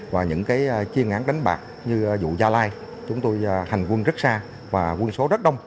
và những chuyên án đánh bạc như vụ gia lai chúng tôi hành quân rất xa và quân số rất đông